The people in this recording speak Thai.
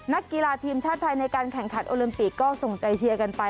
นักกีฬาทีมชาติไทยในการแข่งขันโอลิมปิกก็ส่งใจเชียร์กันไป